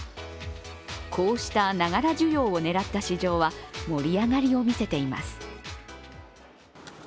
こうした、ながら需要を狙った市場は盛り上がりを見せています。